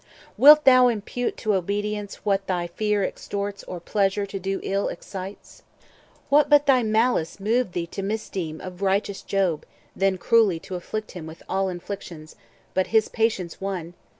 Wilt thou impute to obedience what thy fear Extorts, or pleasure to do ill excites? What but thy malice moved thee to misdeem Of righteous Job, then cruelly to afflict him With all inflictions? but his patience won.